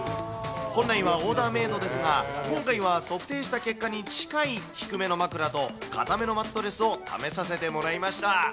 本来はオーダーメードですが、今回は測定した結果に近い低めの枕と硬めのマットレスを試させてもらいました。